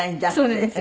そうです。